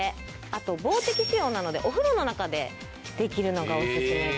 あと防滴仕様なのでお風呂の中でできるのがおすすめです。